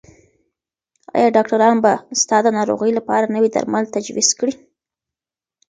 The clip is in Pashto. ایا ډاکټر به ستا د ناروغۍ لپاره نوي درمل تجویز کړي؟